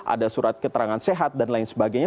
ada surat keterangan sehat dan lain sebagainya